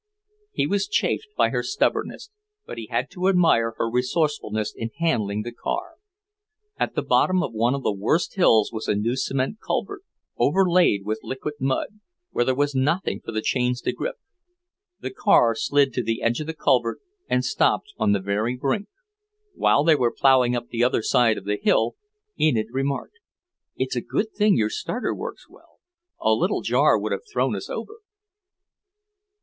He was chafed by her stubbornness, but he had to admire her resourcefulness in handling the car. At the bottom of one of the worst hills was a new cement culvert, overlaid with liquid mud, where there was nothing for the chains to grip. The car slid to the edge of the culvert and stopped on the very brink. While they were ploughing up the other side of the hill, Enid remarked; "It's a good thing your starter works well; a little jar would have thrown us over."